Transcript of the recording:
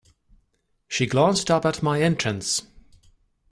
She glanced up at my entrance.